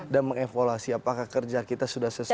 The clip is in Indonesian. dan mengevaluasi apakah kerja kita sudah sesuai